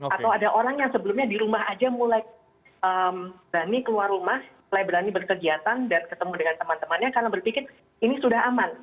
atau ada orang yang sebelumnya di rumah aja mulai berani keluar rumah mulai berani berkegiatan dan ketemu dengan teman temannya karena berpikir ini sudah aman